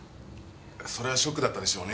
それはショックだったでしょうね。